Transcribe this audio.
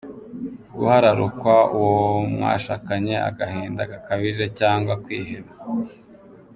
Guhararukwa uwo mwashakanye, agahinda gakabije cyangwa kwiheba.